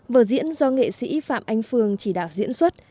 vở diễn do nghệ sĩ phạm anh phương chỉ đạo diễn xuất